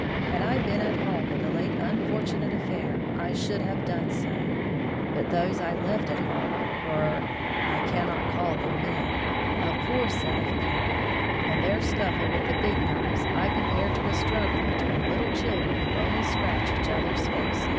Had I been at home in the late unfortunate affair I should have done so; but those I left at home were I cannot call them men a poor set of people, and their scuffle with the Big Knives I compared to a struggle between little children who only scratch each other's faces."